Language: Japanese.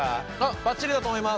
ばっちりだと思います。